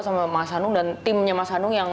sama mas hanung dan timnya mas hanung yang